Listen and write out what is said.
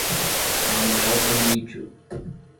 Manoel Emídio